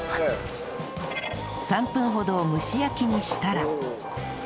３分ほど蒸し焼きにしたら